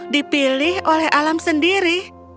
dipilih oleh alam sendiri